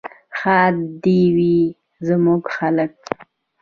ښاد دې وي زموږ خلک.